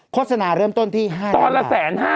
โฆษณาเริ่มต้นที่๕๐๐๐๐๐บาท